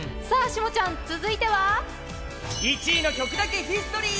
続いては１位の曲だけヒストリー！